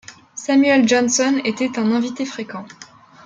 Samuel Johnson était un invité fréquent.